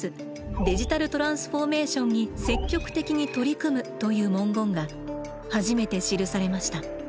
デジタルトランスフォーメーションに積極的に取り組む」という文言が初めて記されました。